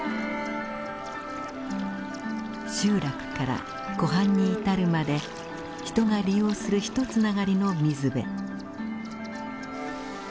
集落から湖畔に至るまで人が利用する一つながりの水辺。